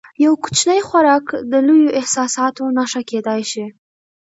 یو کوچنی خوراک د لویو احساساتو نښه کېدای شي.